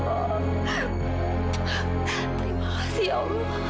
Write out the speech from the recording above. terima kasih allah